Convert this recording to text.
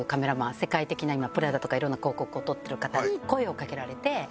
世界的な今ＰＲＡＤＡとか色んな広告を撮ってる方に声をかけられて。